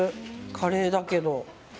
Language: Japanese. カレーだけど。